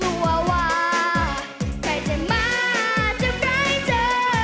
หัวว่าใครจะมาเจอกับใครเธอ